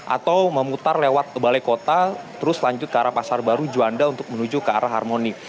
atau memutar lewat balai kota terus lanjut ke arah pasar baru juanda untuk menuju ke arah harmoni